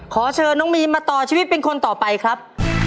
ขอเชิญน้องมีนมาต่อชีวิตเป็นคนต่อไปครับ